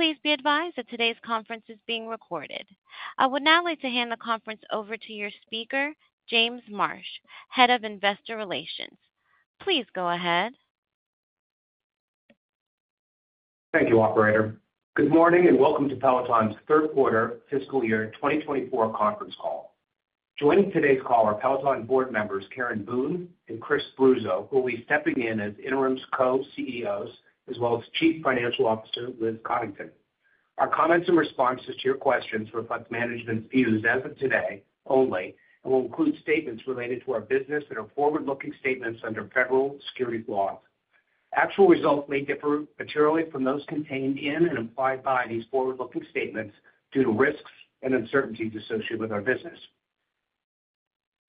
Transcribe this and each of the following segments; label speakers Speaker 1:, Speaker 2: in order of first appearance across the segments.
Speaker 1: Please be advised that today's conference is being recorded. I would now like to hand the conference over to your speaker, James Marsh, Head of Investor Relations. Please go ahead.
Speaker 2: Thank you, operator. Good morning and welcome to Peloton's third-quarter fiscal year 2024 conference call. Joining today's call are Peloton board members Karen Boone and Chris Bruzzo, who will be stepping in as interim co-CEOs as well as Chief Financial Officer Liz Coddington. Our comments and responses to your questions reflect management's views as of today only and will include statements related to our business that are forward-looking statements under federal securities laws. Actual results may differ materially from those contained in and implied by these forward-looking statements due to risks and uncertainties associated with our business.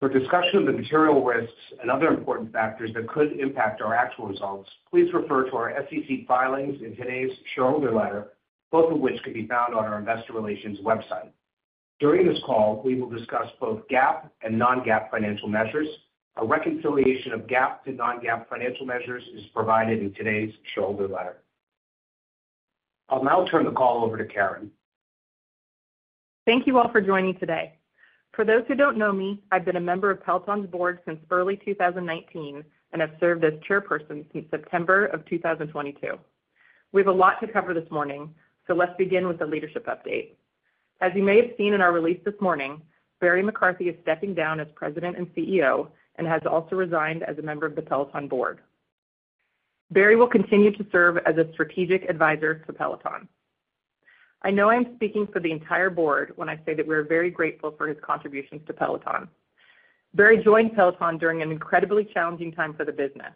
Speaker 2: For discussion of the material risks and other important factors that could impact our actual results, please refer to our SEC filings in today's shareholder letter, both of which can be found on our investor relations website. During this call, we will discuss both GAAP and non-GAAP financial measures. A reconciliation of GAAP to non-GAAP financial measures is provided in today's shareholder letter. I'll now turn the call over to Karen.
Speaker 3: Thank you all for joining today. For those who don't know me, I've been a member of Peloton's board since early 2019 and have served as chairperson since September of 2022. We have a lot to cover this morning, so let's begin with the leadership update. As you may have seen in our release this morning, Barry McCarthy is stepping down as President and CEO and has also resigned as a member of the Peloton board. Barry will continue to serve as a strategic advisor to Peloton. I know I am speaking for the entire board when I say that we are very grateful for his contributions to Peloton. Barry joined Peloton during an incredibly challenging time for the business.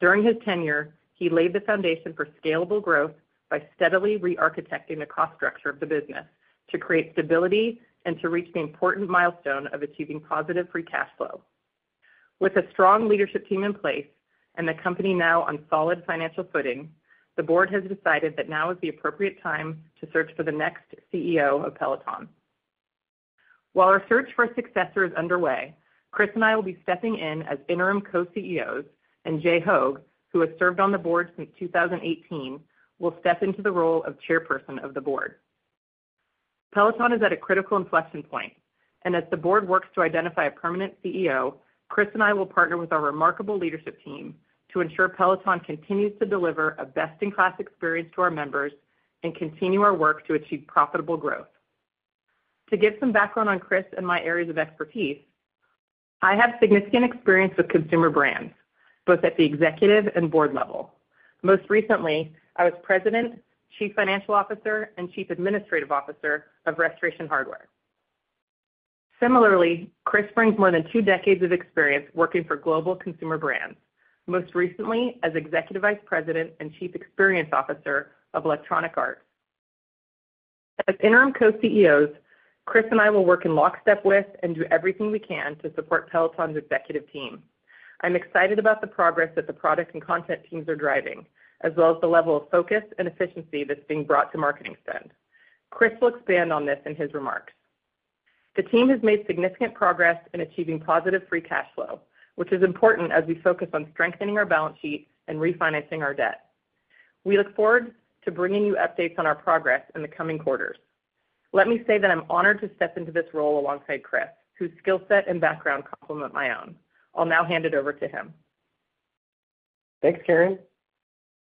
Speaker 3: During his tenure, he laid the foundation for scalable growth by steadily re-architecting the cost structure of the business to create stability and to reach the important milestone of achieving positive Free Cash Flow. With a strong leadership team in place and the company now on solid financial footing, the board has decided that now is the appropriate time to search for the next CEO of Peloton. While our search for a successor is underway, Chris and I will be stepping in as interim co-CEOs, and Jay Hoag, who has served on the board since 2018, will step into the role of chairperson of the board. Peloton is at a critical inflection point, and as the board works to identify a permanent CEO, Chris and I will partner with our remarkable leadership team to ensure Peloton continues to deliver a best-in-class experience to our members and continue our work to achieve profitable growth. To give some background on Chris and my areas of expertise, I have significant experience with consumer brands, both at the executive and board level. Most recently, I was president, chief financial officer, and chief administrative officer of Restoration Hardware. Similarly, Chris brings more than two decades of experience working for global consumer brands, most recently as executive vice president and chief experience officer of Electronic Arts. As interim co-CEOs, Chris and I will work in lockstep with and do everything we can to support Peloton's executive team. I'm excited about the progress that the product and content teams are driving, as well as the level of focus and efficiency that's being brought to marketing spend. Chris will expand on this in his remarks. The team has made significant progress in achieving positive Free Cash Flow, which is important as we focus on strengthening our balance sheet and refinancing our debt. We look forward to bringing you updates on our progress in the coming quarters. Let me say that I'm honored to step into this role alongside Chris, whose skill set and background complement my own. I'll now hand it over to him.
Speaker 4: Thanks, Karen.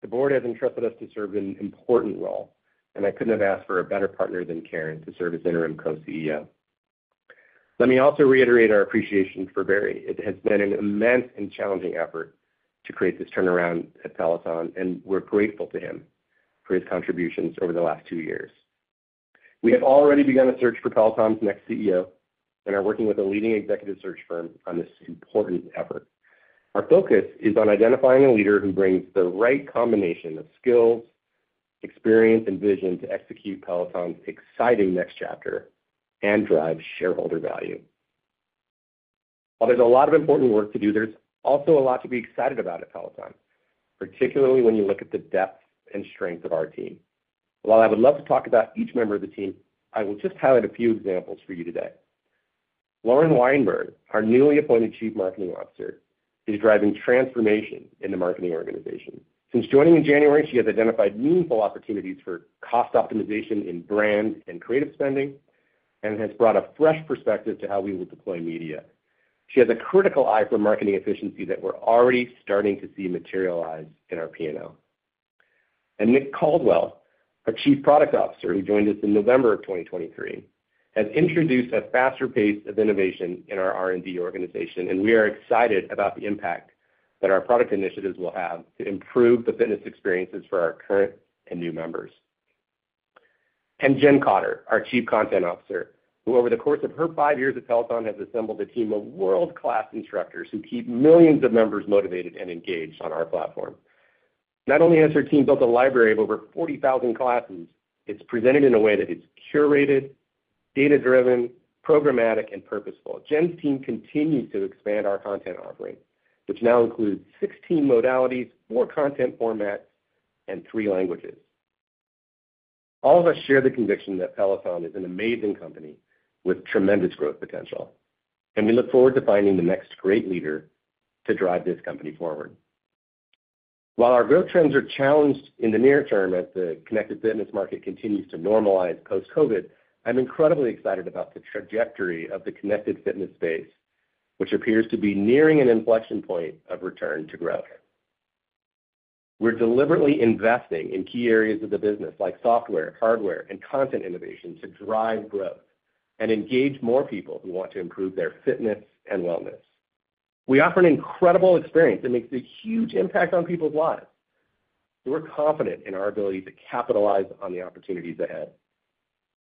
Speaker 4: The board has entrusted us to serve an important role, and I couldn't have asked for a better partner than Karen to serve as Interim Co-CEO. Let me also reiterate our appreciation for Barry. It has been an immense and challenging effort to create this turnaround at Peloton, and we're grateful to him for his contributions over the last two years. We have already begun a search for Peloton's next CEO and are working with a leading executive search firm on this important effort. Our focus is on identifying a leader who brings the right combination of skills, experience, and vision to execute Peloton's exciting next chapter and drive shareholder value. While there's a lot of important work to do, there's also a lot to be excited about at Peloton, particularly when you look at the depth and strength of our team. While I would love to talk about each member of the team, I will just highlight a few examples for you today. Lauren Weinberg, our newly appointed Chief Marketing Officer, is driving transformation in the marketing organization. Since joining in January, she has identified meaningful opportunities for cost optimization in brand and creative spending and has brought a fresh perspective to how we will deploy media. She has a critical eye for marketing efficiency that we're already starting to see materialize in our P&L. Nick Caldwell, our Chief Product Officer who joined us in November of 2023, has introduced a faster pace of innovation in our R&D organization, and we are excited about the impact that our product initiatives will have to improve the fitness experiences for our current and new members. Jen Cotter, our Chief Content Officer, who over the course of her five years at Peloton has assembled a team of world-class instructors who keep millions of members motivated and engaged on our platform. Not only has her team built a library of over 40,000 classes, it's presented in a way that it's curated, data-driven, programmatic, and purposeful. Jen's team continues to expand our content offering, which now includes 16 modalities, four content formats, and three languages. All of us share the conviction that Peloton is an amazing company with tremendous growth potential, and we look forward to finding the next great leader to drive this company forward. While our growth trends are challenged in the near term as the connected fitness market continues to normalize post-COVID, I'm incredibly excited about the trajectory of the connected fitness space, which appears to be nearing an inflection point of return to growth. We're deliberately investing in key areas of the business like software, hardware, and content innovation to drive growth and engage more people who want to improve their fitness and wellness. We offer an incredible experience that makes a huge impact on people's lives, so we're confident in our ability to capitalize on the opportunities ahead.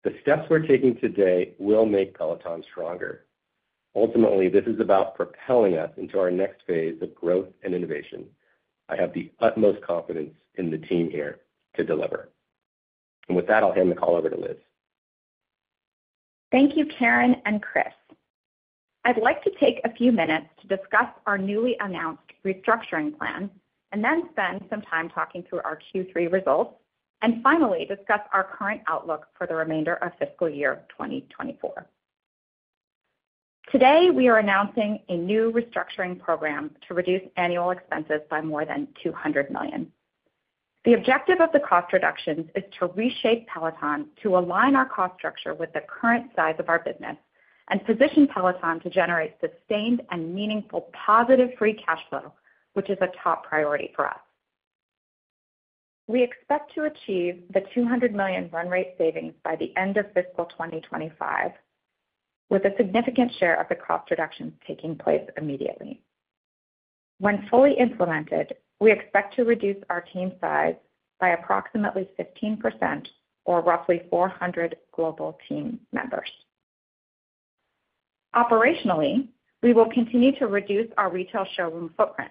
Speaker 4: The steps we're taking today will make Peloton stronger. Ultimately, this is about propelling us into our next phase of growth and innovation. I have the utmost confidence in the team here to deliver. And with that, I'll hand the call over to Liz.
Speaker 5: Thank you, Karen and Chris. I'd like to take a few minutes to discuss our newly announced restructuring plan and then spend some time talking through our Q3 results and finally discuss our current outlook for the remainder of fiscal year 2024. Today, we are announcing a new restructuring program to reduce annual expenses by more than $200 million. The objective of the cost reductions is to reshape Peloton, to align our cost structure with the current size of our business, and position Peloton to generate sustained and meaningful positive free cash flow, which is a top priority for us. We expect to achieve the $200 million run rate savings by the end of fiscal 2025, with a significant share of the cost reductions taking place immediately. When fully implemented, we expect to reduce our team size by approximately 15% or roughly 400 global team members. Operationally, we will continue to reduce our retail showroom footprint.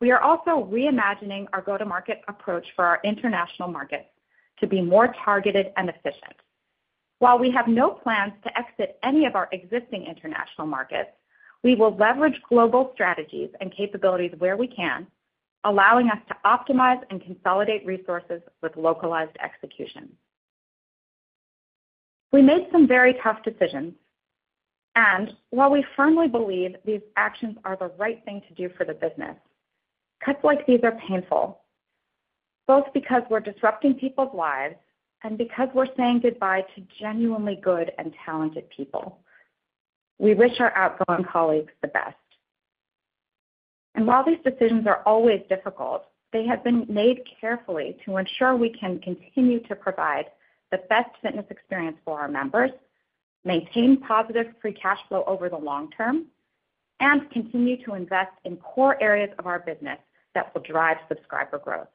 Speaker 5: We are also reimagining our go-to-market approach for our international markets to be more targeted and efficient. While we have no plans to exit any of our existing international markets, we will leverage global strategies and capabilities where we can, allowing us to optimize and consolidate resources with localized execution. We made some very tough decisions, and while we firmly believe these actions are the right thing to do for the business, cuts like these are painful, both because we're disrupting people's lives and because we're saying goodbye to genuinely good and talented people. We wish our outgoing colleagues the best. While these decisions are always difficult, they have been made carefully to ensure we can continue to provide the best fitness experience for our members, maintain positive Free Cash Flow over the long term, and continue to invest in core areas of our business that will drive subscriber growth.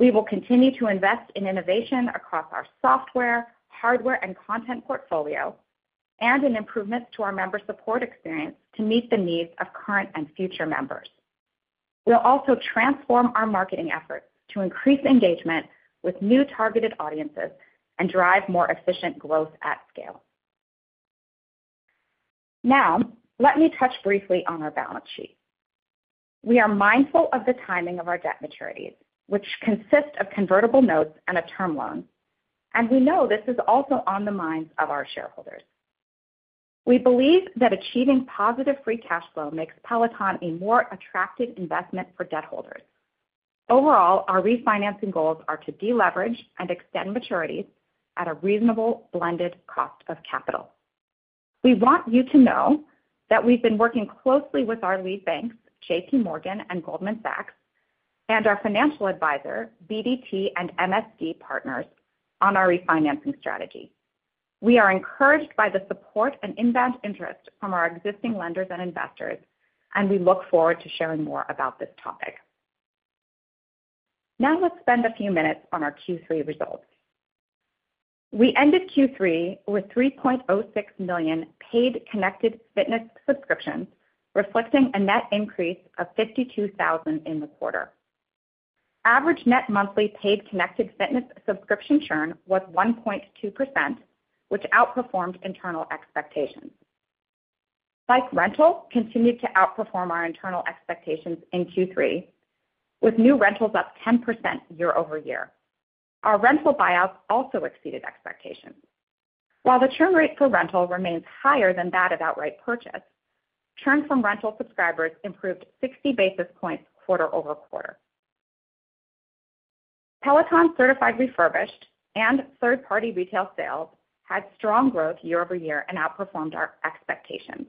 Speaker 5: We will continue to invest in innovation across our software, hardware, and content portfolio and in improvements to our member support experience to meet the needs of current and future members. We'll also transform our marketing efforts to increase engagement with new targeted audiences and drive more efficient growth at scale. Now, let me touch briefly on our balance sheet. We are mindful of the timing of our debt maturities, which consist of convertible notes and a term loan, and we know this is also on the minds of our shareholders. We believe that achieving positive free cash flow makes Peloton a more attractive investment for debt holders. Overall, our refinancing goals are to deleverage and extend maturities at a reasonable blended cost of capital. We want you to know that we've been working closely with our lead banks, J.P. Morgan and Goldman Sachs, and our financial advisor, BDT & MSD Partners, on our refinancing strategy. We are encouraged by the support and inbound interest from our existing lenders and investors, and we look forward to sharing more about this topic. Now let's spend a few minutes on our Q3 results. We ended Q3 with 3.06 million paid connected fitness subscriptions, reflecting a net increase of 52,000 in the quarter. Average net monthly paid connected fitness subscription churn was 1.2%, which outperformed internal expectations. Bike rental continued to outperform our internal expectations in Q3, with new rentals up 10% year-over-year. Our rental buyouts also exceeded expectations. While the churn rate for rental remains higher than that of outright purchase, churn from rental subscribers improved 60 basis points quarter-over-quarter. Peloton certified refurbished and third-party retail sales had strong growth year-over-year and outperformed our expectations.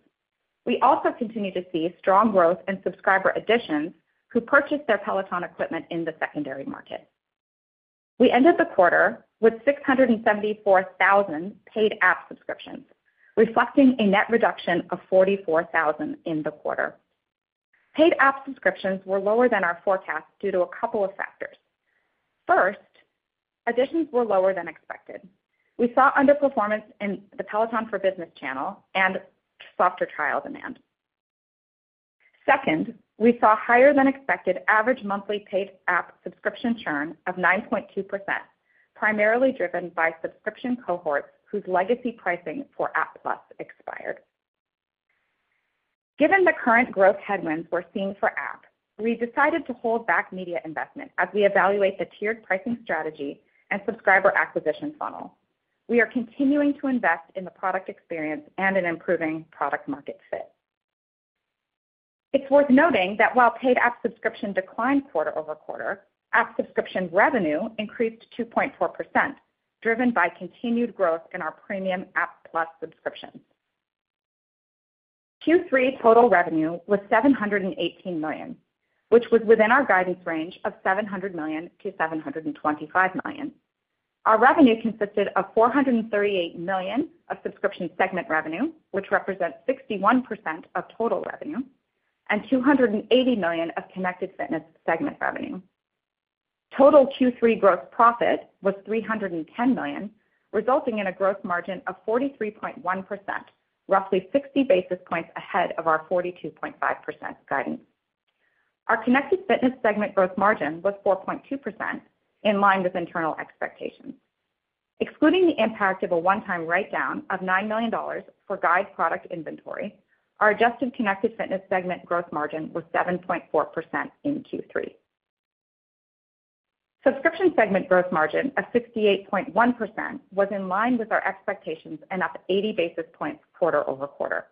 Speaker 5: We also continue to see strong growth in subscriber additions who purchased their Peloton equipment in the secondary market. We ended the quarter with 674,000 paid app subscriptions, reflecting a net reduction of 44,000 in the quarter. Paid app subscriptions were lower than our forecast due to a couple of factors. First, additions were lower than expected. We saw underperformance in the Peloton for Business channel and softer trial demand. Second, we saw higher than expected average monthly paid app subscription churn of 9.2%, primarily driven by subscription cohorts whose legacy pricing for App+ expired. Given the current growth headwinds we're seeing for app, we decided to hold back media investment as we evaluate the tiered pricing strategy and subscriber acquisition funnel. We are continuing to invest in the product experience and an improving product-market fit. It's worth noting that while paid app subscription declined quarter-over-quarter, app subscription revenue increased 2.4%, driven by continued growth in our premium App+ subscriptions. Q3 total revenue was $718 million, which was within our guidance range of $700 million-$725 million. Our revenue consisted of $438 million of subscription segment revenue, which represents 61% of total revenue, and $280 million of connected fitness segment revenue. Total Q3 gross profit was $310 million, resulting in a gross margin of 43.1%, roughly 60 basis points ahead of our 42.5% guidance. Our connected fitness segment gross margin was 4.2%, in line with internal expectations. Excluding the impact of a one-time write-down of $9 million for Guide product inventory, our adjusted connected fitness segment gross margin was 7.4% in Q3. Subscription segment gross margin of 68.1% was in line with our expectations and up 80 basis points quarter-over-quarter.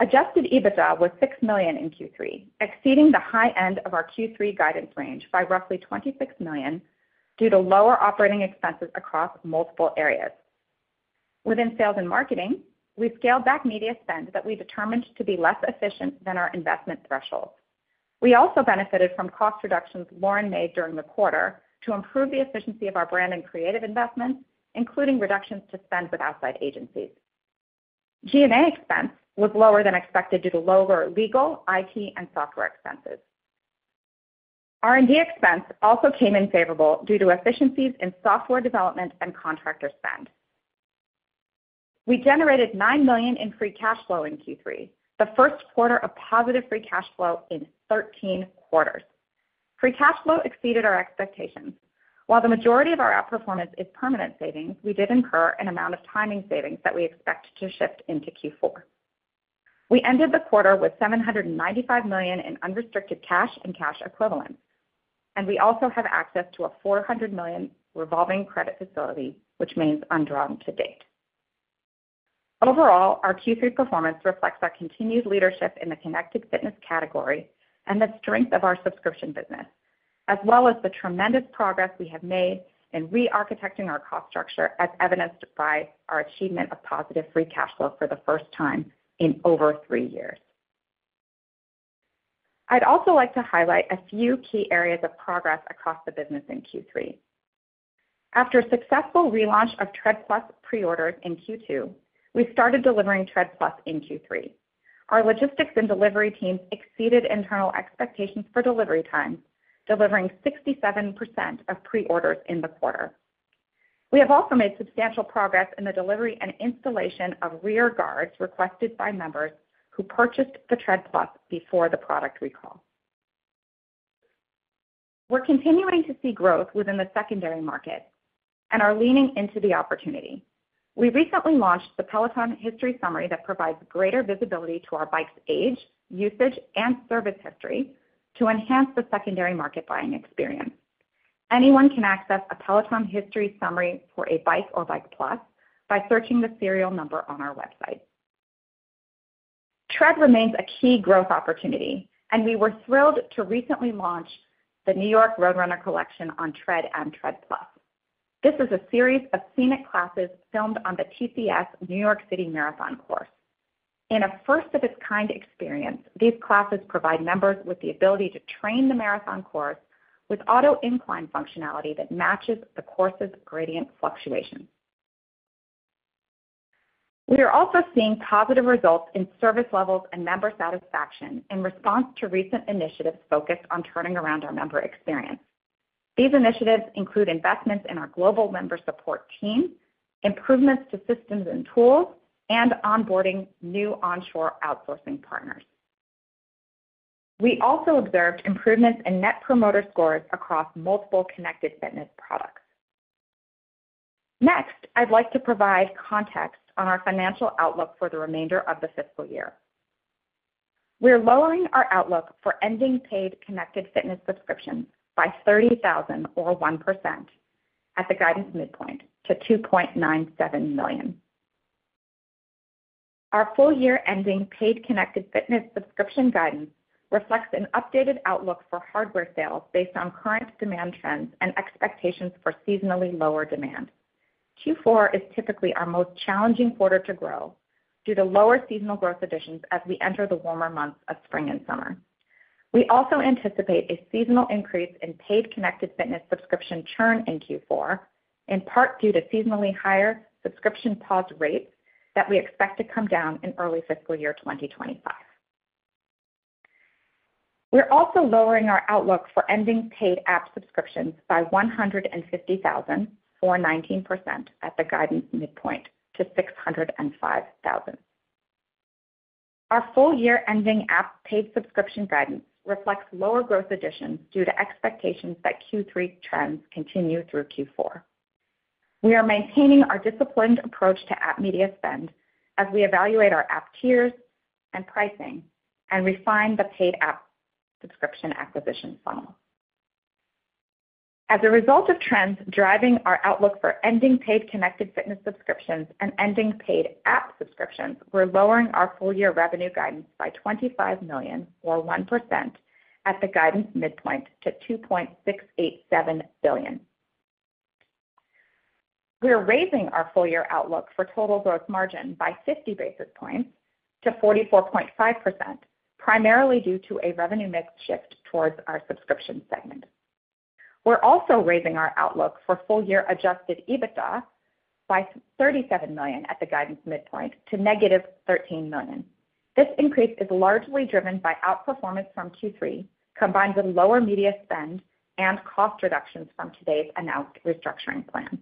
Speaker 5: Adjusted EBITDA was $6 million in Q3, exceeding the high end of our Q3 guidance range by roughly $26 million due to lower operating expenses across multiple areas. Within sales and marketing, we scaled back media spend that we determined to be less efficient than our investment thresholds. We also benefited from cost reductions Lauren made during the quarter to improve the efficiency of our brand and creative investments, including reductions to spend with outside agencies. G&A expense was lower than expected due to lower legal, IT, and software expenses. R&D expense also came in favorable due to efficiencies in software development and contractor spend. We generated $9 million in free cash flow in Q3, the first quarter of positive free cash flow in 13 quarters. Free cash flow exceeded our expectations. While the majority of our app performance is permanent savings, we did incur an amount of timing savings that we expect to shift into Q4. We ended the quarter with $795 million in unrestricted cash and cash equivalents, and we also have access to a $400 million revolving credit facility, which means undrawn to date. Overall, our Q3 performance reflects our continued leadership in the connected fitness category and the strength of our subscription business, as well as the tremendous progress we have made in rearchitecting our cost structure, as evidenced by our achievement of positive Free Cash Flow for the first time in over three years. I'd also like to highlight a few key areas of progress across the business in Q3. After a successful relaunch of Tread+ preorders in Q2, we started delivering Tread+ in Q3. Our logistics and delivery teams exceeded internal expectations for delivery times, delivering 67% of preorders in the quarter. We have also made substantial progress in the delivery and installation of rear guards requested by members who purchased the Tread+ before the product recall. We're continuing to see growth within the secondary market and are leaning into the opportunity. We recently launched the Peloton History Summary that provides greater visibility to our Bike's age, usage, and service history to enhance the secondary market buying experience. Anyone can access a Peloton History Summary for a Bike or Bike+ by searching the serial number on our website. Tread remains a key growth opportunity, and we were thrilled to recently launch the New York Road Runners Collection on Tread and Tread+. This is a series of scenic classes filmed on the TCS New York City Marathon Course. In a first-of-its-kind experience, these classes provide members with the ability to train the marathon course with auto-incline functionality that matches the course's gradient fluctuations. We are also seeing positive results in service levels and member satisfaction in response to recent initiatives focused on turning around our member experience. These initiatives include investments in our global member support team, improvements to systems and tools, and onboarding new onshore outsourcing partners. We also observed improvements in Net Promoter Scores across multiple connected fitness products. Next, I'd like to provide context on our financial outlook for the remainder of the fiscal year. We're lowering our outlook for ending paid connected fitness subscriptions by 30,000 or 1% at the guidance midpoint to 2.97 million. Our full-year ending paid connected fitness subscription guidance reflects an updated outlook for hardware sales based on current demand trends and expectations for seasonally lower demand. Q4 is typically our most challenging quarter to grow due to lower seasonal growth additions as we enter the warmer months of spring and summer. We also anticipate a seasonal increase in paid connected fitness subscription churn in Q4, in part due to seasonally higher subscription pause rates that we expect to come down in early fiscal year 2025. We're also lowering our outlook for ending paid app subscriptions by 150,000 or 19% at the guidance midpoint to 605,000. Our full-year ending app paid subscription guidance reflects lower growth additions due to expectations that Q3 trends continue through Q4. We are maintaining our disciplined approach to app media spend as we evaluate our app tiers and pricing and refine the paid app subscription acquisition funnel. As a result of trends driving our outlook for ending paid connected fitness subscriptions and ending paid app subscriptions, we're lowering our full-year revenue guidance by $25 million or 1% at the guidance midpoint to $2.687 billion. We're raising our full-year outlook for total gross margin by 50 basis points to 44.5%, primarily due to a revenue mix shift towards our subscription segment. We're also raising our outlook for full-year Adjusted EBITDA by $37 million at the guidance midpoint to -$13 million. This increase is largely driven by outperformance from Q3 combined with lower media spend and cost reductions from today's announced restructuring plan.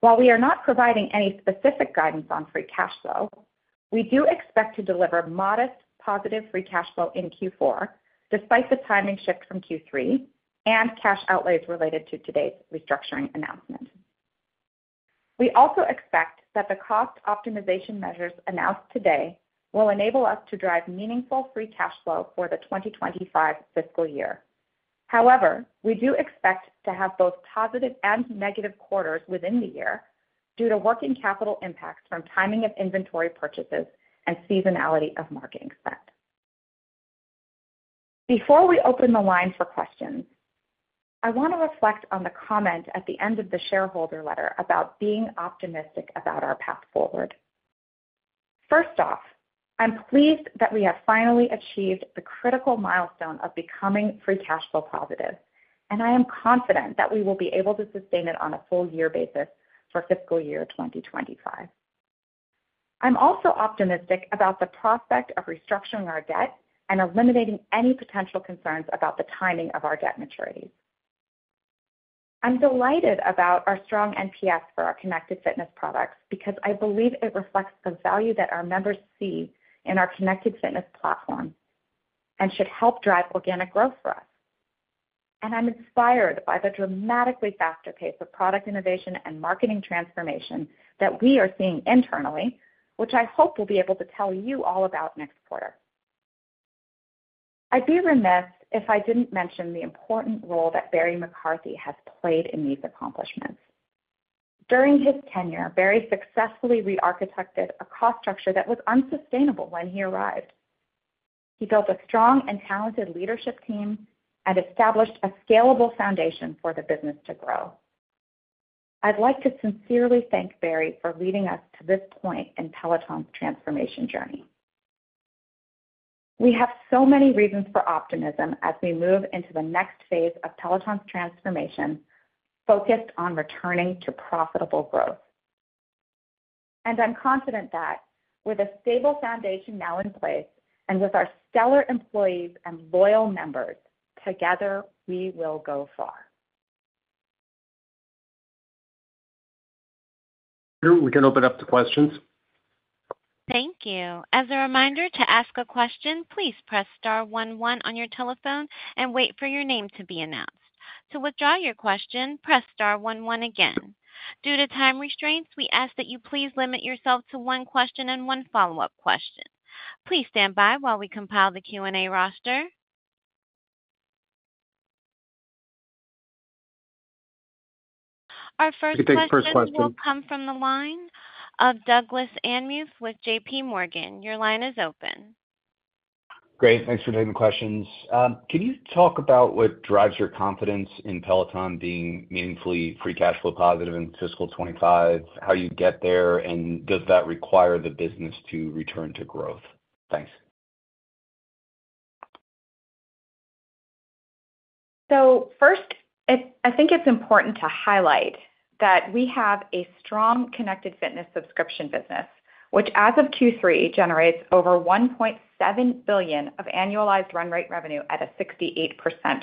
Speaker 5: While we are not providing any specific guidance on free cash flow, we do expect to deliver modest positive free cash flow in Q4 despite the timing shift from Q3 and cash outlays related to today's restructuring announcement. We also expect that the cost optimization measures announced today will enable us to drive meaningful free cash flow for the 2025 fiscal year. However, we do expect to have both positive and negative quarters within the year due to working capital impacts from timing of inventory purchases and seasonality of marketing spend. Before we open the line for questions, I want to reflect on the comment at the end of the shareholder letter about being optimistic about our path forward. First off, I'm pleased that we have finally achieved the critical milestone of becoming free cash flow positive, and I am confident that we will be able to sustain it on a full-year basis for fiscal year 2025. I'm also optimistic about the prospect of restructuring our debt and eliminating any potential concerns about the timing of our debt maturities. I'm delighted about our strong NPS for our connected fitness products because I believe it reflects the value that our members see in our connected fitness platform and should help drive organic growth for us. I'm inspired by the dramatically faster pace of product innovation and marketing transformation that we are seeing internally, which I hope we'll be able to tell you all about next quarter. I'd be remiss if I didn't mention the important role that Barry McCarthy has played in these accomplishments. During his tenure, Barry successfully rearchitected a cost structure that was unsustainable when he arrived. He built a strong and talented leadership team and established a scalable foundation for the business to grow. I'd like to sincerely thank Barry for leading us to this point in Peloton's transformation journey. We have so many reasons for optimism as we move into the next phase of Peloton's transformation focused on returning to profitable growth. I'm confident that with a stable foundation now in place and with our stellar employees and loyal members, together we will go far.
Speaker 2: We can open up to questions.
Speaker 1: Thank you. As a reminder, to ask a question, please press star 11 on your telephone and wait for your name to be announced. To withdraw your question, press star 11 again. Due to time restraints, we ask that you please limit yourself to one question and one follow-up question. Please stand by while we compile the Q&A roster. Our first question will come from the line of Douglas Anmuth with J.P. Morgan. Your line is open.
Speaker 6: Great. Thanks for taking the questions. Can you talk about what drives your confidence in Peloton being meaningfully free cash flow positive in fiscal 2025, how you get there, and does that require the business to return to growth? Thanks.
Speaker 5: So first, I think it's important to highlight that we have a strong connected fitness subscription business, which as of Q3 generates over $1.7 billion of annualized run rate revenue at a 68%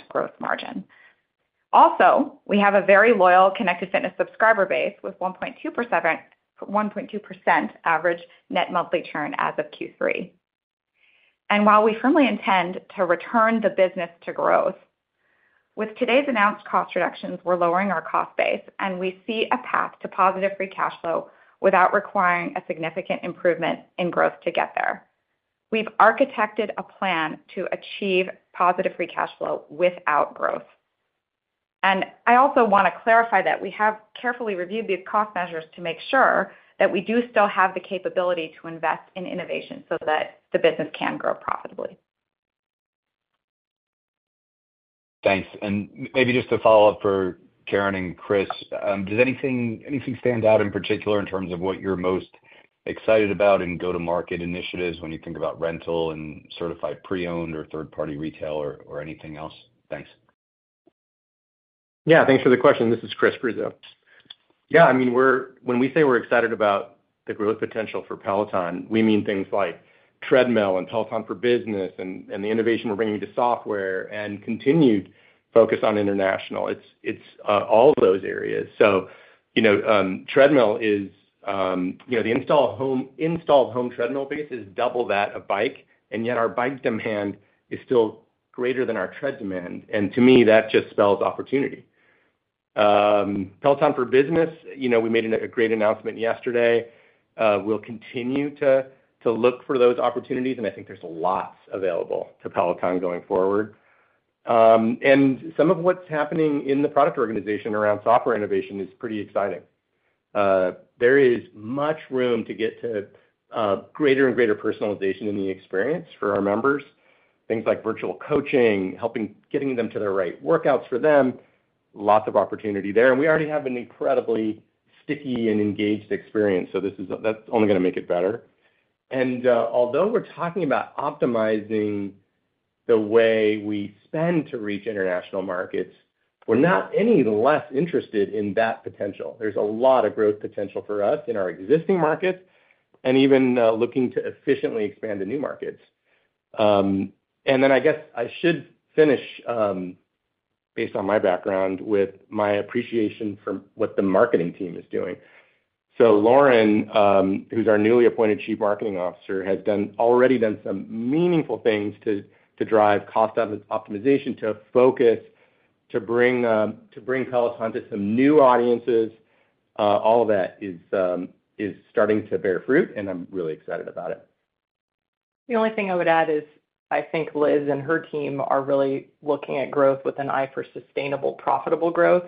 Speaker 5: gross margin. Also, we have a very loyal connected fitness subscriber base with 1.2% average net monthly churn as of Q3. And while we firmly intend to return the business to growth, with today's announced cost reductions, we're lowering our cost base, and we see a path to positive free cash flow without requiring a significant improvement in growth to get there. We've architected a plan to achieve positive free cash flow without growth. And I also want to clarify that we have carefully reviewed these cost measures to make sure that we do still have the capability to invest in innovation so that the business can grow profitably.
Speaker 6: Thanks. Maybe just a follow-up for Karen and Chris, does anything stand out in particular in terms of what you're most excited about in go-to-market initiatives when you think about rental and certified pre-owned or third-party retail or anything else? Thanks.
Speaker 4: Yeah. Thanks for the question. This is Chris Bruzzo. Yeah. I mean, when we say we're excited about the growth potential for Peloton, we mean things like Tread and Peloton for Business and the innovation we're bringing to software and continued focus on international. It's all of those areas. So, Tread, the installed home treadmill base, is double that of Bike, and yet our Bike demand is still greater than our Tread demand. And to me, that just spells opportunity. Peloton for Business—we made a great announcement yesterday. We'll continue to look for those opportunities, and I think there's lots available to Peloton going forward. And some of what's happening in the product organization around software innovation is pretty exciting. There is much room to get to greater and greater personalization in the experience for our members, things like virtual coaching, getting them to their right workouts for them, lots of opportunity there. And we already have an incredibly sticky and engaged experience, so that's only going to make it better. And although we're talking about optimizing the way we spend to reach international markets, we're not any less interested in that potential. There's a lot of growth potential for us in our existing markets and even looking to efficiently expand to new markets. And then I guess I should finish based on my background with my appreciation for what the marketing team is doing. So Lauren, who's our newly appointed Chief Marketing Officer, has already done some meaningful things to drive cost optimization, to focus, to bring Peloton to some new audiences. All of that is starting to bear fruit, and I'm really excited about it.
Speaker 3: The only thing I would add is I think Liz and her team are really looking at growth with an eye for sustainable profitable growth.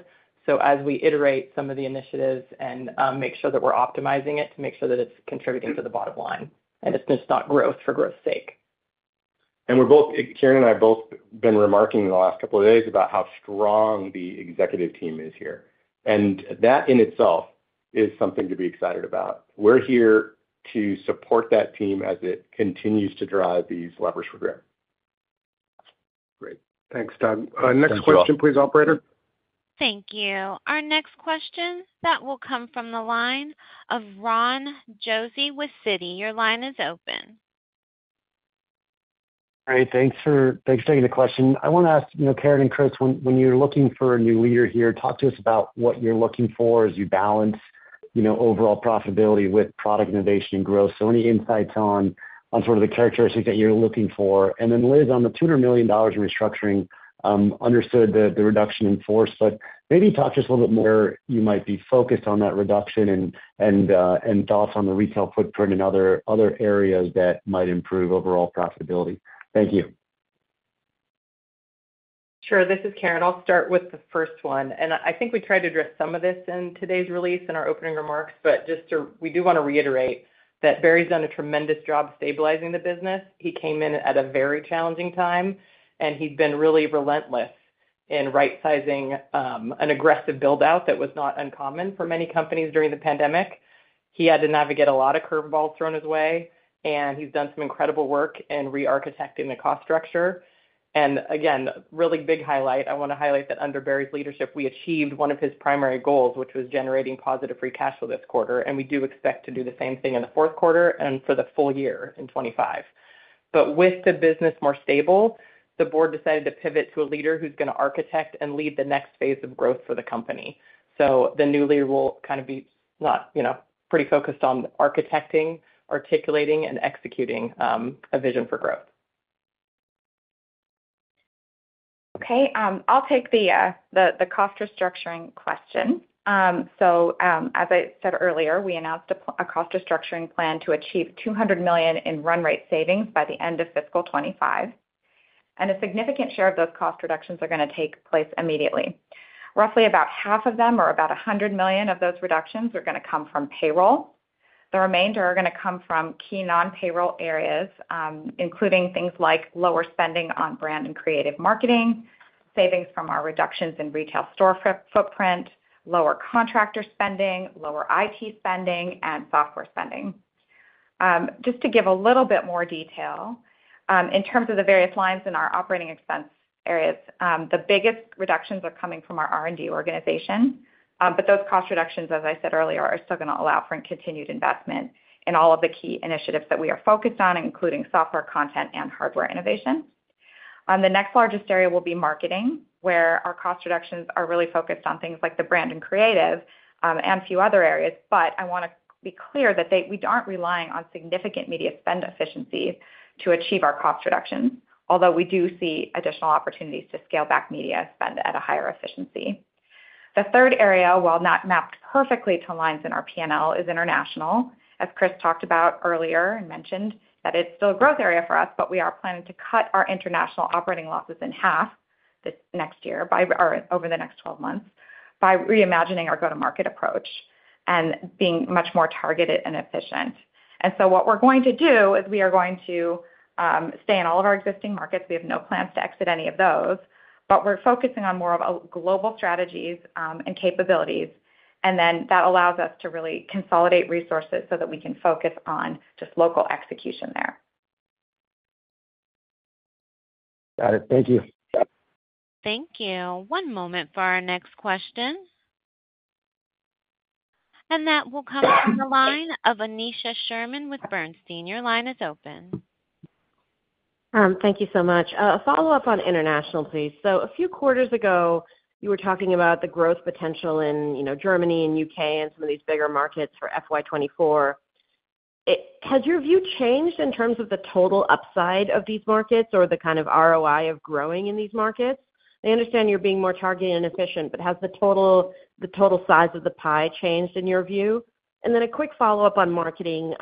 Speaker 3: As we iterate some of the initiatives and make sure that we're optimizing it to make sure that it's contributing to the bottom line, and it's just not growth for growth's sake.
Speaker 4: Karen and I have both been remarking in the last couple of days about how strong the executive team is here. That in itself is something to be excited about. We're here to support that team as it continues to drive these levers for growth.
Speaker 2: Great. Thanks, Doug. Next question, please, operator.
Speaker 1: Thank you. Our next question that will come from the line of Ron Josey with Citi, your line is open.
Speaker 7: All right. Thanks for taking the question. I want to ask Karen and Chris, when you're looking for a new leader here, talk to us about what you're looking for as you balance overall profitability with product innovation and growth. So any insights on sort of the characteristics that you're looking for. And then Liz, on the $200 million restructuring, understood the reduction in force, but maybe talk to us a little bit more where you might be focused on that reduction and thoughts on the retail footprint and other areas that might improve overall profitability. Thank you.
Speaker 3: Sure. This is Karen. I'll start with the first one. I think we tried to address some of this in today's release in our opening remarks, but we do want to reiterate that Barry's done a tremendous job stabilizing the business. He came in at a very challenging time, and he'd been really relentless in right-sizing an aggressive buildout that was not uncommon for many companies during the pandemic. He had to navigate a lot of curveballs thrown his way, and he's done some incredible work in rearchitecting the cost structure. Again, really big highlight, I want to highlight that under Barry's leadership, we achieved one of his primary goals, which was generating positive free cash flow this quarter. We do expect to do the same thing in the fourth quarter and for the full year in 2025. With the business more stable, the board decided to pivot to a leader who's going to architect and lead the next phase of growth for the company. The new leader will kind of be pretty focused on architecting, articulating, and executing a vision for growth.
Speaker 5: Okay. I'll take the cost restructuring question. So as I said earlier, we announced a cost restructuring plan to achieve $200 million in run rate savings by the end of fiscal 2025. And a significant share of those cost reductions are going to take place immediately. Roughly about half of them or about $100 million of those reductions are going to come from payroll. The remainder are going to come from key non-payroll areas, including things like lower spending on brand and creative marketing, savings from our reductions in retail store footprint, lower contractor spending, lower IT spending, and software spending. Just to give a little bit more detail, in terms of the various lines in our operating expense areas, the biggest reductions are coming from our R&D organization. Those cost reductions, as I said earlier, are still going to allow for continued investment in all of the key initiatives that we are focused on, including software content and hardware innovation. The next largest area will be marketing, where our cost reductions are really focused on things like the brand and creative and a few other areas. I want to be clear that we aren't relying on significant media spend efficiency to achieve our cost reductions, although we do see additional opportunities to scale back media spend at a higher efficiency. The third area, while not mapped perfectly to lines in our P&L, is international. As Chris talked about earlier and mentioned that it's still a growth area for us, but we are planning to cut our international operating losses in half over the next 12 months by reimagining our go-to-market approach and being much more targeted and efficient. And so what we're going to do is we are going to stay in all of our existing markets. We have no plans to exit any of those, but we're focusing on more of global strategies and capabilities. And then that allows us to really consolidate resources so that we can focus on just local execution there.
Speaker 7: Got it. Thank you.
Speaker 1: Thank you. One moment for our next question. That will come from the line of Aneesha Sherman with Bernstein. Your line is open.
Speaker 8: Thank you so much. A follow-up on international, please. So a few quarters ago, you were talking about the growth potential in Germany and UK and some of these bigger markets for FY 2024. Has your view changed in terms of the total upside of these markets or the kind of ROI of growing in these markets? I understand you're being more targeted and efficient, but has the total size of the pie changed in your view? And then a quick follow-up on marketing.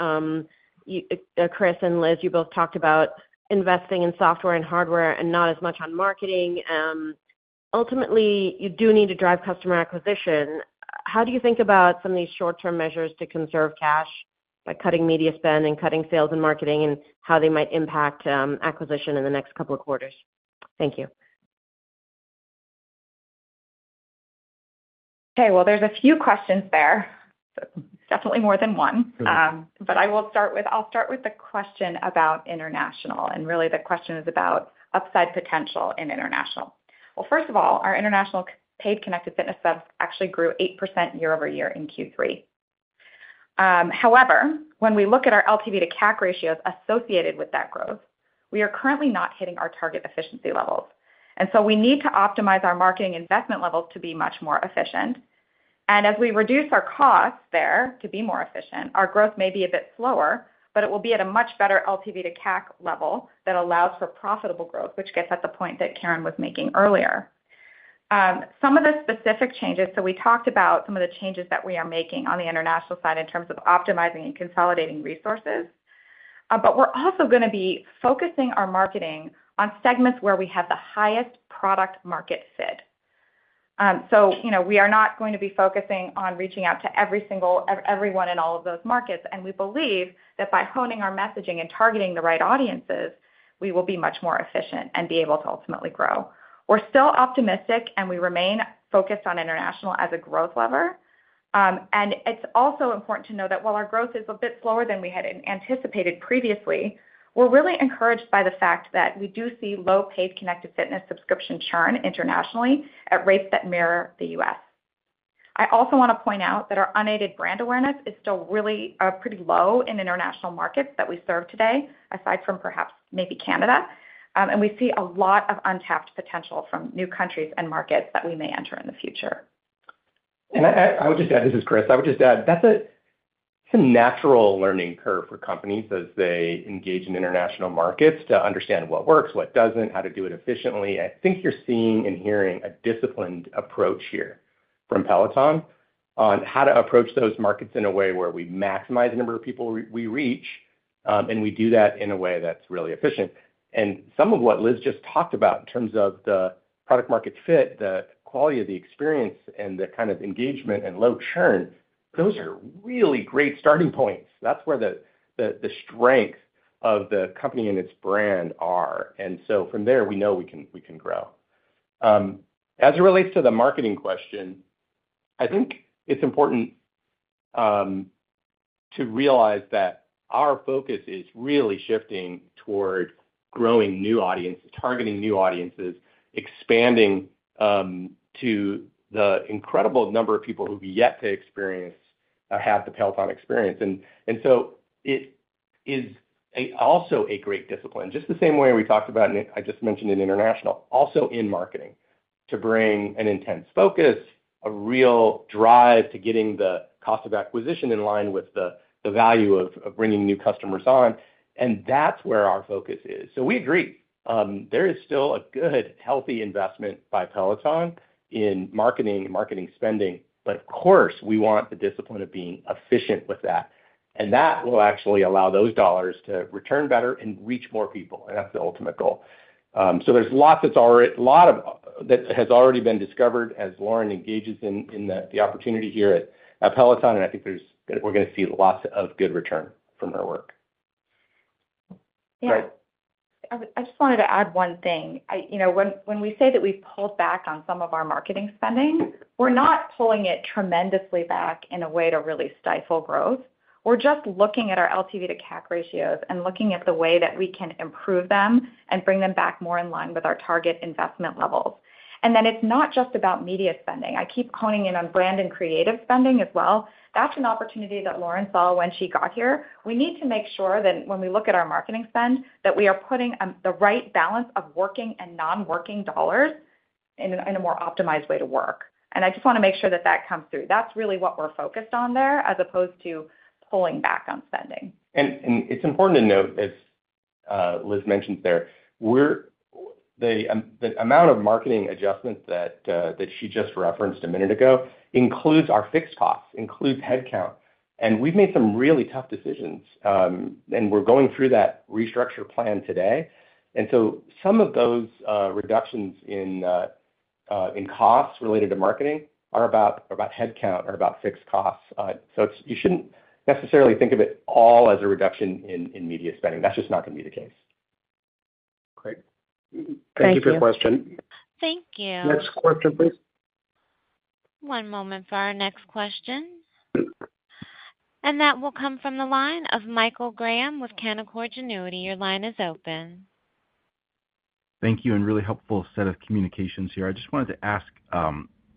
Speaker 8: Chris and Liz, you both talked about investing in software and hardware and not as much on marketing. Ultimately, you do need to drive customer acquisition. How do you think about some of these short-term measures to conserve cash by cutting media spend and cutting sales and marketing and how they might impact acquisition in the next couple of quarters? Thank you.
Speaker 5: Okay. Well, there's a few questions there. Definitely more than one. But I'll start with the question about international. And really, the question is about upside potential in international. Well, first of all, our international paid connected fitness subs actually grew 8% year-over-year in Q3. However, when we look at our LTV to CAC ratios associated with that growth, we are currently not hitting our target efficiency levels. And so we need to optimize our marketing investment levels to be much more efficient. And as we reduce our costs there to be more efficient, our growth may be a bit slower, but it will be at a much better LTV to CAC level that allows for profitable growth, which gets at the point that Karen was making earlier. Some of the specific changes so we talked about some of the changes that we are making on the international side in terms of optimizing and consolidating resources. But we're also going to be focusing our marketing on segments where we have the highest product-market fit. So we are not going to be focusing on reaching out to everyone in all of those markets. And we believe that by honing our messaging and targeting the right audiences, we will be much more efficient and be able to ultimately grow. We're still optimistic, and we remain focused on international as a growth lever. And it's also important to know that while our growth is a bit slower than we had anticipated previously, we're really encouraged by the fact that we do see low paid connected fitness subscription churn internationally at rates that mirror the U.S. I also want to point out that our unaided brand awareness is still really pretty low in international markets that we serve today, aside from perhaps maybe Canada. And we see a lot of untapped potential from new countries and markets that we may enter in the future.
Speaker 4: I would just add, this is Chris. I would just add that's a natural learning curve for companies as they engage in international markets to understand what works, what doesn't, how to do it efficiently. I think you're seeing and hearing a disciplined approach here from Peloton on how to approach those markets in a way where we maximize the number of people we reach, and we do that in a way that's really efficient. And some of what Liz just talked about in terms of the product-market fit, the quality of the experience, and the kind of engagement and low churn, those are really great starting points. That's where the strengths of the company and its brand are. And so from there, we know we can grow. As it relates to the marketing question, I think it's important to realize that our focus is really shifting toward growing new audiences, targeting new audiences, expanding to the incredible number of people who've yet to have the Peloton experience. And so it is also a great discipline, just the same way we talked about and I just mentioned in international, also in marketing, to bring an intense focus, a real drive to getting the cost of acquisition in line with the value of bringing new customers on. And that's where our focus is. So we agree. There is still a good, healthy investment by Peloton in marketing and marketing spending. But of course, we want the discipline of being efficient with that. And that will actually allow those dollars to return better and reach more people. And that's the ultimate goal. There's lots that's already a lot that has already been discovered as Lauren engages in the opportunity here at Peloton. I think we're going to see lots of good return from her work.
Speaker 5: Yeah. I just wanted to add one thing. When we say that we've pulled back on some of our marketing spending, we're not pulling it tremendously back in a way to really stifle growth. We're just looking at our LTV to CAC ratios and looking at the way that we can improve them and bring them back more in line with our target investment levels. And then it's not just about media spending. I keep honing in on brand and creative spending as well. That's an opportunity that Lauren saw when she got here. We need to make sure that when we look at our marketing spend, that we are putting the right balance of working and non-working dollars in a more optimized way to work. And I just want to make sure that that comes through. That's really what we're focused on there as opposed to pulling back on spending.
Speaker 4: It's important to note, as Liz mentioned there, the amount of marketing adjustments that she just referenced a minute ago includes our fixed costs, includes headcount. We've made some really tough decisions. We're going through that restructure plan today. So some of those reductions in costs related to marketing are about headcount, are about fixed costs. So you shouldn't necessarily think of it all as a reduction in media spending. That's just not going to be the case.
Speaker 2: Great. Thank you for your question.
Speaker 3: Thank you.
Speaker 2: Next question, please.
Speaker 1: One moment for our next question. That will come from the line of Michael Graham with Canaccord Genuity. Your line is open.
Speaker 9: Thank you. Really helpful set of communications here. I just wanted to ask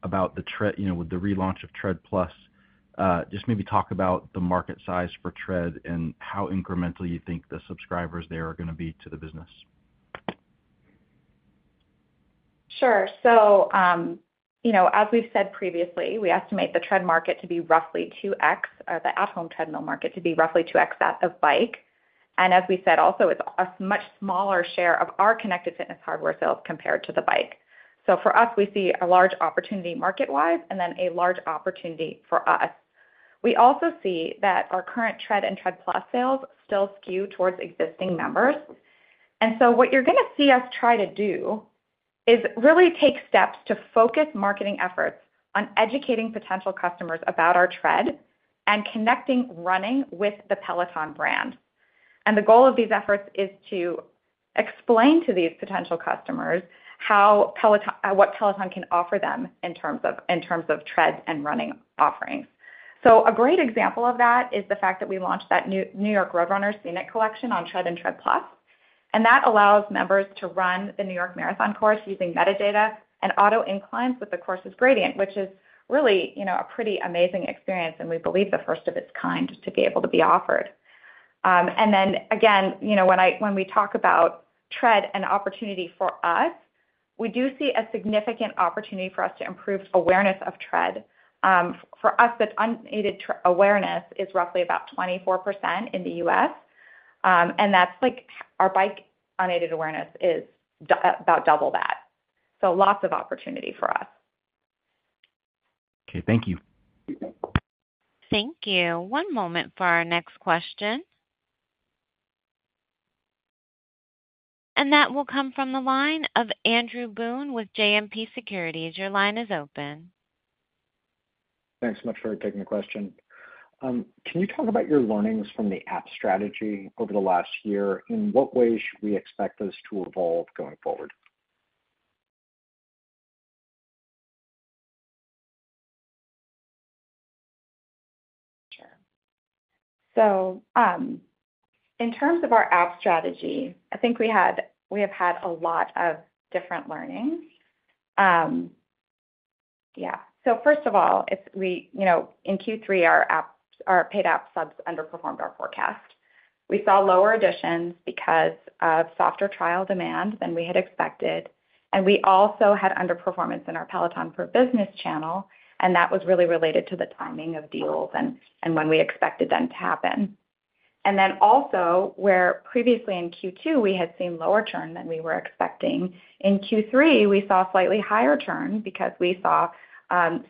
Speaker 9: about the relaunch of Tread+. Just maybe talk about the market size for Tread and how incremental you think the subscribers there are going to be to the business.
Speaker 3: Sure. So as we've said previously, we estimate the Tread market to be roughly 2x, the at-home treadmill market to be roughly 2x that of Bike. And as we said also, it's a much smaller share of our connected fitness hardware sales compared to the Bike. So for us, we see a large opportunity market-wise and then a large opportunity for us. We also see that our current Tread and Tread+ sales still skew towards existing members. And so what you're going to see us try to do is really take steps to focus marketing efforts on educating potential customers about our Tread and connecting running with the Peloton brand. And the goal of these efforts is to explain to these potential customers what Peloton can offer them in terms of Tread and running offerings. So a great example of that is the fact that we launched that New York Road Runners Scenic Collection on Tread and Tread+. And that allows members to run the New York Marathon course using metadata and auto inclines with the course's gradient, which is really a pretty amazing experience. And we believe the first of its kind to be able to be offered. And then again, when we talk about Tread and opportunity for us, we do see a significant opportunity for us to improve awareness of Tread. For us, that unaided awareness is roughly about 24% in the U.S. And our Bike unaided awareness is about double that. So lots of opportunity for us.
Speaker 9: Okay. Thank you.
Speaker 1: Thank you. One moment for our next question. That will come from the line of Andrew Boone with JMP Securities. Your line is open.
Speaker 10: Thanks so much for taking the question. Can you talk about your learnings from the app strategy over the last year? In what ways should we expect those to evolve going forward?
Speaker 3: Sure. So in terms of our app strategy, I think we have had a lot of different learnings. Yeah. So first of all, in Q3, our paid app subs underperformed our forecast. We saw lower additions because of softer trial demand than we had expected. And we also had underperformance in our Peloton for Business channel. And that was really related to the timing of deals and when we expected them to happen. And then also, where previously in Q2, we had seen lower churn than we were expecting, in Q3, we saw slightly higher churn because we saw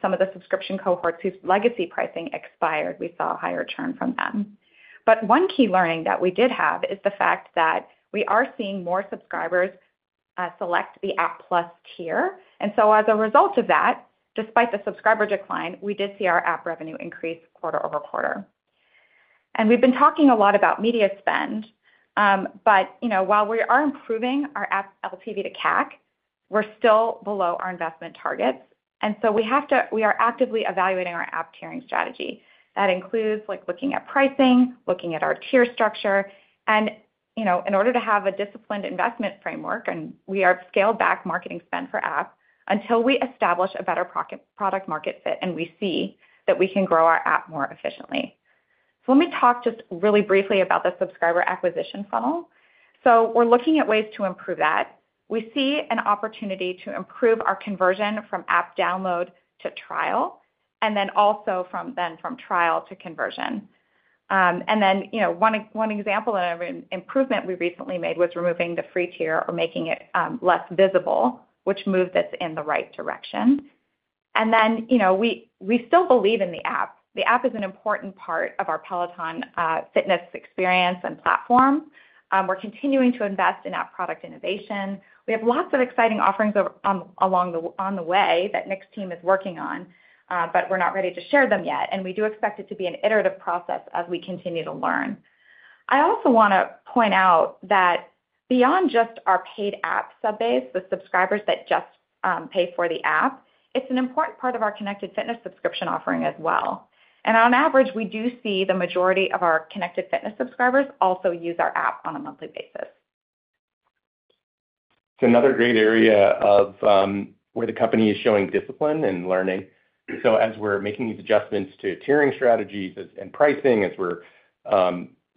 Speaker 3: some of the subscription cohorts whose legacy pricing expired, we saw higher churn from them. But one key learning that we did have is the fact that we are seeing more subscribers select the App+ tier. So as a result of that, despite the subscriber decline, we did see our app revenue increase quarter-over-quarter. We've been talking a lot about media spend. But while we are improving our app's LTV to CAC, we're still below our investment targets. We are actively evaluating our app tiering strategy. That includes looking at pricing, looking at our tier structure. In order to have a disciplined investment framework, we are scaled back marketing spend for app until we establish a better product-market fit and we see that we can grow our app more efficiently. Let me talk just really briefly about the subscriber acquisition funnel. We're looking at ways to improve that. We see an opportunity to improve our conversion from app download to trial and then also from trial to conversion. One example of an improvement we recently made was removing the free tier or making it less visible, which moved us in the right direction. We still believe in the app. The app is an important part of our Peloton fitness experience and platform. We're continuing to invest in app product innovation. We have lots of exciting offerings along the way that Nick's team is working on, but we're not ready to share them yet. We do expect it to be an iterative process as we continue to learn. I also want to point out that beyond just our paid app subbase, the subscribers that just pay for the app, it's an important part of our connected fitness subscription offering as well. On average, we do see the majority of our connected fitness subscribers also use our app on a monthly basis.
Speaker 4: It's another great area of where the company is showing discipline and learning. So as we're making these adjustments to tiering strategies and pricing, as we're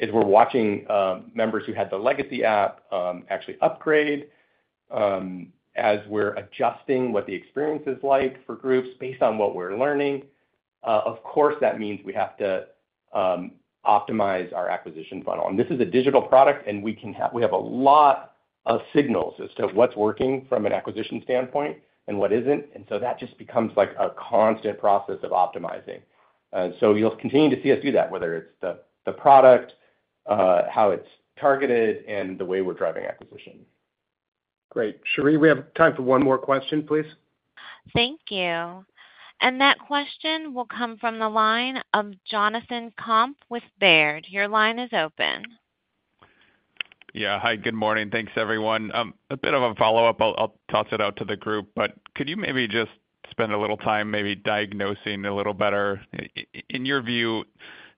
Speaker 4: watching members who had the legacy app actually upgrade, as we're adjusting what the experience is like for groups based on what we're learning, of course, that means we have to optimize our acquisition funnel. And this is a digital product, and we have a lot of signals as to what's working from an acquisition standpoint and what isn't. And so that just becomes a constant process of optimizing. And so you'll continue to see us do that, whether it's the product, how it's targeted, and the way we're driving acquisition.
Speaker 2: Great. Sherri, we have time for one more question, please.
Speaker 1: Thank you. That question will come from the line of Jonathan Komp with Baird. Your line is open.
Speaker 11: Yeah. Hi. Good morning. Thanks, everyone. A bit of a follow-up. I'll toss it out to the group. But could you maybe just spend a little time maybe diagnosing a little better, in your view,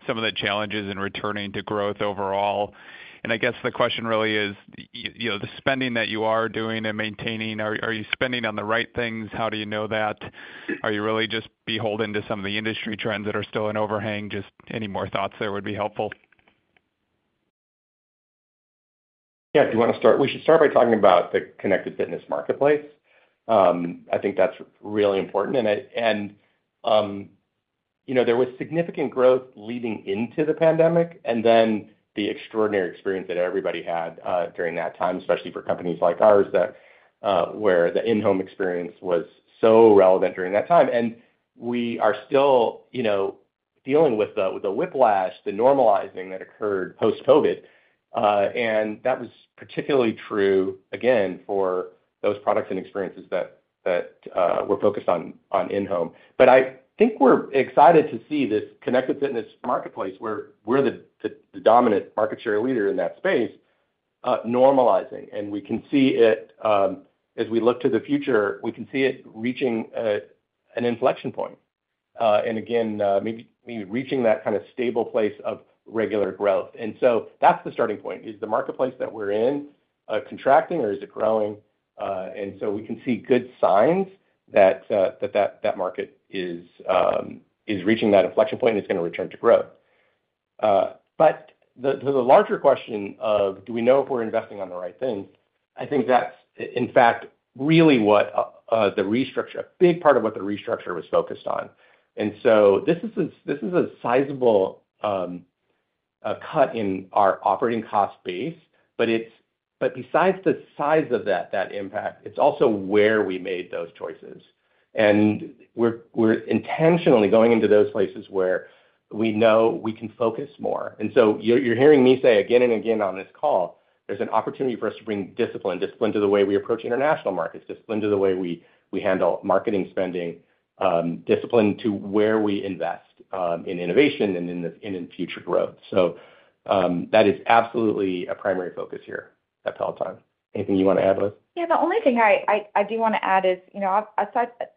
Speaker 11: some of the challenges in returning to growth overall? And I guess the question really is, the spending that you are doing and maintaining, are you spending on the right things? How do you know that? Are you really just beholden to some of the industry trends that are still in overhang? Just any more thoughts there would be helpful.
Speaker 4: Yeah. Do you want to start? We should start by talking about the connected fitness marketplace. I think that's really important. There was significant growth leading into the pandemic and then the extraordinary experience that everybody had during that time, especially for companies like ours, where the in-home experience was so relevant during that time. We are still dealing with the whiplash, the normalizing that occurred post-COVID. That was particularly true, again, for those products and experiences that were focused on in-home. But I think we're excited to see this connected fitness marketplace, where we're the dominant market share leader in that space, normalizing. We can see it as we look to the future, we can see it reaching an inflection point and, again, maybe reaching that kind of stable place of regular growth. That's the starting point. Is the marketplace that we're in contracting, or is it growing? We can see good signs that that market is reaching that inflection point and it's going to return to growth. To the larger question of do we know if we're investing on the right things, I think that's, in fact, really what the restructure, a big part of what the restructure was focused on. This is a sizable cut in our operating cost base. Besides the size of that impact, it's also where we made those choices. We're intentionally going into those places where we know we can focus more. And so you're hearing me say again and again on this call, there's an opportunity for us to bring discipline, discipline to the way we approach international markets, discipline to the way we handle marketing spending, discipline to where we invest in innovation and in future growth. So that is absolutely a primary focus here at Peloton. Anything you want to add, Liz?
Speaker 5: Yeah. The only thing I do want to add is,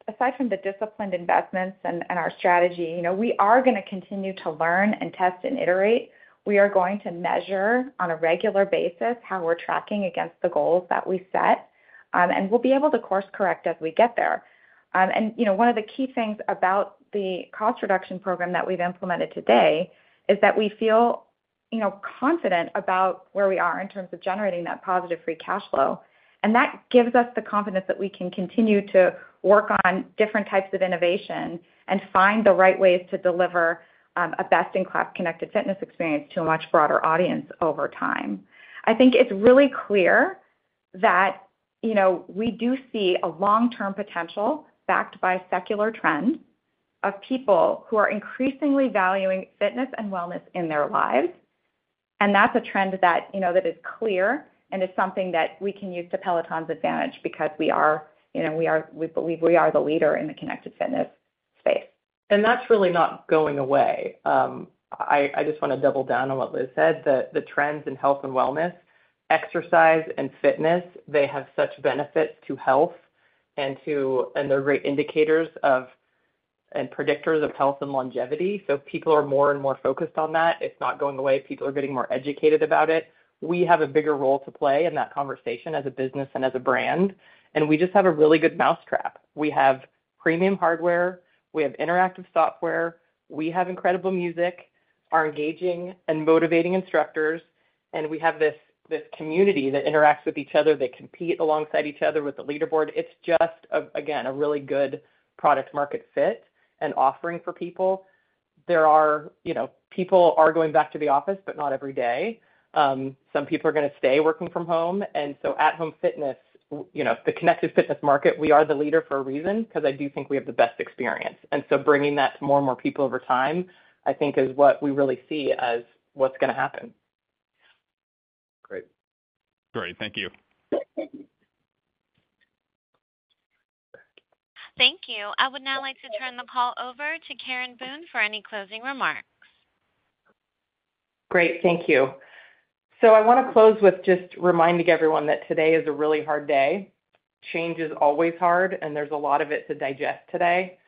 Speaker 5: aside from the disciplined investments and our strategy, we are going to continue to learn and test and iterate. We are going to measure on a regular basis how we're tracking against the goals that we set. And we'll be able to course-correct as we get there. And one of the key things about the cost reduction program that we've implemented today is that we feel confident about where we are in terms of generating that positive Free Cash Flow. And that gives us the confidence that we can continue to work on different types of innovation and find the right ways to deliver a best-in-class connected fitness experience to a much broader audience over time. I think it's really clear that we do see a long-term potential backed by a secular trend of people who are increasingly valuing fitness and wellness in their lives. That's a trend that is clear and is something that we can use to Peloton's advantage because we believe we are the leader in the connected fitness space.
Speaker 3: And that's really not going away. I just want to double down on what Liz said. The trends in health and wellness, exercise and fitness, they have such benefits to health, and they're great indicators and predictors of health and longevity. So people are more and more focused on that. It's not going away. People are getting more educated about it. We have a bigger role to play in that conversation as a business and as a brand. And we just have a really good mousetrap. We have premium hardware. We have interactive software. We have incredible music, our engaging and motivating instructors. And we have this community that interacts with each other. They compete alongside each other with the leaderboard. It's just, again, a really good product-market fit and offering for people. People are going back to the office, but not every day. Some people are going to stay working from home. And so at-home fitness, the connected fitness market, we are the leader for a reason because I do think we have the best experience. And so bringing that to more and more people over time, I think, is what we really see as what's going to happen.
Speaker 11: Great.
Speaker 2: Great. Thank you.
Speaker 1: Thank you. I would now like to turn the call over to Karen Boone for any closing remarks.
Speaker 3: Great. Thank you. So I want to close with just reminding everyone that today is a really hard day. Change is always hard, and there's a lot of it to digest today.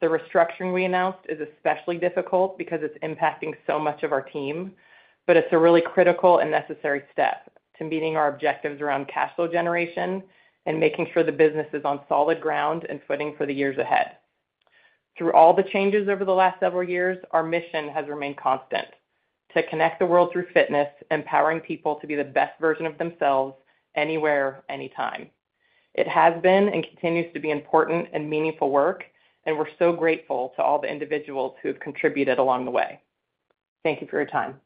Speaker 3: The restructuring we announced is especially difficult because it's impacting so much of our team. But it's a really critical and necessary step to meeting our objectives around cash flow generation and making sure the business is on solid ground and footing for the years ahead. Through all the changes over the last several years, our mission has remained constant: to connect the world through fitness, empowering people to be the best version of themselves anywhere, anytime. It has been and continues to be important and meaningful work. And we're so grateful to all the individuals who have contributed along the way. Thank you for your time.